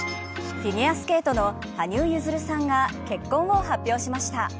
フィギュアスケートの羽生結弦さんが結婚を発表しました。